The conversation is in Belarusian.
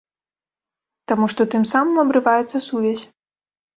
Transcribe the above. Таму што тым самым абрываецца сувязь.